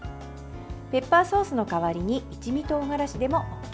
ペッパーソースの代わりに一味とうがらしでもＯＫ。